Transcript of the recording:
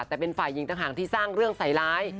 แต่เป็นฝ่ายหญิงต่างหากที่สร้างเรื่องใส่ร้าย